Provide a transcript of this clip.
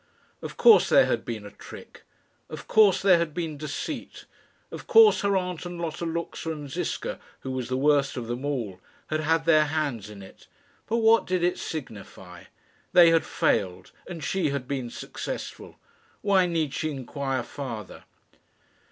Of course there had been a trick. Of course there had been deceit. Of course her aunt and Lotta Luxa and Ziska, who was the worst of them all, had had their hands in it! But what did it signify? They had failed, and she had been successful. Why need she inquire farther?